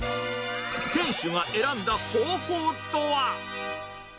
店主が選んだ方法とは。